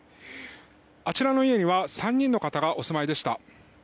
あちらの家には３人の方がお住まいでした。